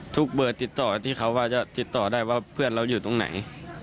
เบอร์ติดต่อที่เขาว่าจะติดต่อได้ว่าเพื่อนเราอยู่ตรงไหน